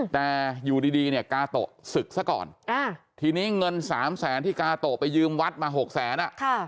แต่อยู่ดีเนี่ยกาโตะศึกซะก่อนทีนี้เงิน๓แสนที่กาโตะไปยืมวัดมา๖แสน